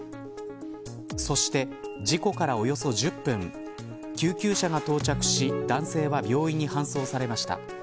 そして事故からおよそ１０分救急車が到着し、男性は病院に搬送されました。